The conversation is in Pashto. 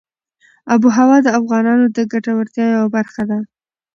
آب وهوا د افغانانو د ګټورتیا یوه برخه ده.